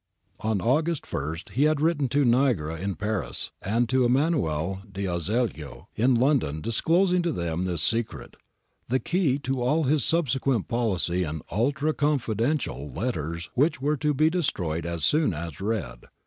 On August I he had written to Nigra in Paris and to Em manuel D'Azeglio in London disclosing to them this secret, the key to all his subsequent pohcy, in ' ultra confidential ' letters which were to be destroyed as soon as read.